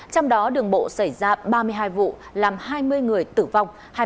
trong đó đường bộ xảy ra ba mươi hai vụ làm hai mươi người tử vong